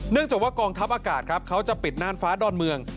จากว่ากองทัพอากาศครับเขาจะปิดน่านฟ้าดอนเมือง